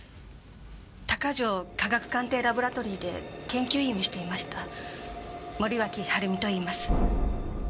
鷹城科学鑑定ラボラトリーで研究員をしていました森脇治美といいます。